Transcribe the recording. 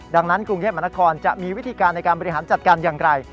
ดังนั้นกรุงเทพมนครจะมีวิธีการในการบริหารจัดการอย่างไร